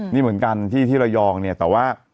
นี่เหมือนกันที่ระยองเนี่ยแต่ว่า